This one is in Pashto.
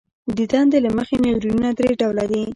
د دندې له مخې نیورونونه درې ډوله دي.